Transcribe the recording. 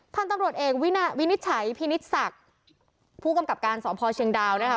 พันธุ์ตำรวจเอกวินาวินิจฉัยพินิศศักดิ์ผู้กำกับการสพเชียงดาวนะคะ